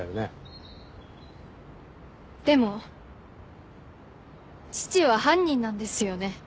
でも父は犯人なんですよね？